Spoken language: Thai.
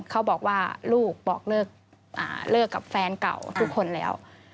เขาบอกว่าลูกบอกเลิกกับแฟนเก่าทุกคนแล้ว